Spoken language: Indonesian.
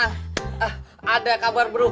eh ada kabar buruk